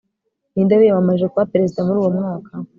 Ninde wiyamamarije kuba perezida muri uwo mwaka